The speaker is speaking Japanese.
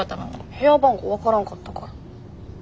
部屋番号分からんかったから。